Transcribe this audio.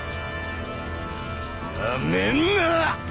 なめんな！